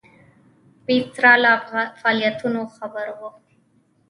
ویسرا له فعالیتونو خبر وو.